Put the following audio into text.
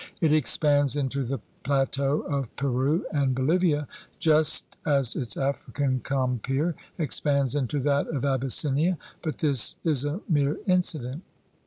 It expands into the plateau of Peru and Bolivia, just as its African compeer expands into that of Abyssinia, but this is a mere incident.